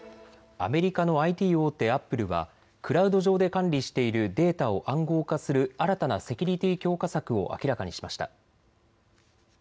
アメリカのＩＴ大手、アップルはクラウド上で管理しているデータを暗号化する新たなセキュリティー強化策を明らかにしました。